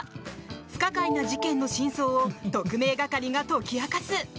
不可解な事件の真相を特命係が解き明かす！